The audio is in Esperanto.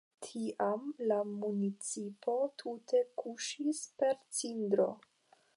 Tiam la municipo tute kuŝis per cindro.